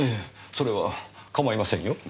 それは構いませんよ。